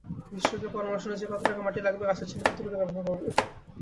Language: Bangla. বিশেষজ্ঞের পরামর্শ অনুযায়ী কতটুকু মাটি লাগবে, গাছের জন্য ততটুকু ব্যবহার করবেন।